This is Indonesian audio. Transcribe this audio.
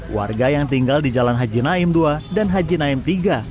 warga yang tinggal di jalan haji naim ii dan haji naim tiga